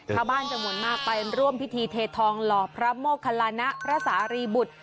ชาวบ้านจำนวนมากไปร่วมพิธีเททองหล่อพระโมคลาณะพระสารีบุตร